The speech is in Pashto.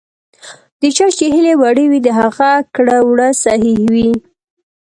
د چا چې هیلې وړې وي، د هغه کړه ـ وړه صحیح وي .